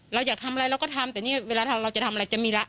เราอยากทำอะไรเราก็ทำแต่นี่เวลาเราจะทำอะไรจะมีละ